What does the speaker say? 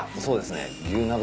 そうですね。